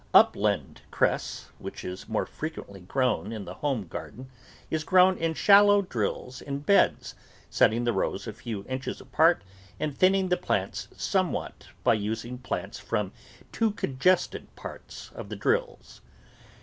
Upland cress, which is more frequently grown in the home garden, is grown in shallow drills in beds, setting the rows a few inches apart and thin ning the plants somewhat by using plants from too congested parts of the drills.